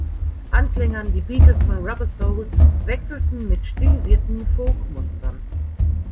Anklänge an die Beatles von "Rubber Soul" wechselten mit stilisierten Folk-Mustern.